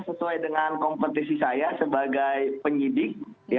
sesuai dengan kompetisi saya sebagai penyidik